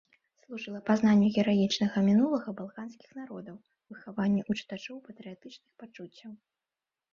Служыла пазнанню гераічнага мінулага балканскіх народаў, выхаванню ў чытачоў патрыятычных пачуццяў.